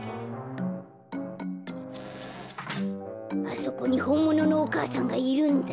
あそこにほんもののお母さんがいるんだ。